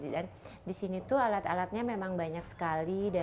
dan di sini tuh alat alatnya memang banyak sekali